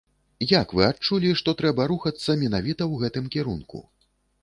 Як вы адчулі, што трэба рухацца менавіта ў гэтым кірунку?